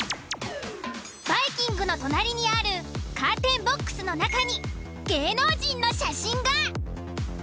バイキングの隣にあるカーテンボックスの中に芸能人の写真が。